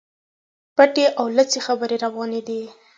پټي او لڅي خبري رواني دي.